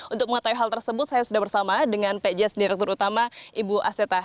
untuk mengetahui hal tersebut saya sudah bersama dengan pjs direktur utama ibu aseta